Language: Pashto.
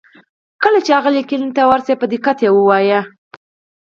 کله چې هغې ليکنې ته ور شئ په دقت سره يې ولولئ.